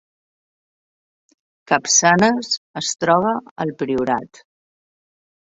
Capçanes es troba al Priorat